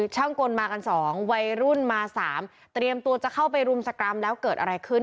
กลมากัน๒วัยรุ่นมา๓เตรียมตัวจะเข้าไปรุมสกรรมแล้วเกิดอะไรขึ้น